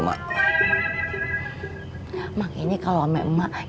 kalau ada apa apa dengan saya